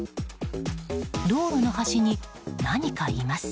道路の端に何かいます。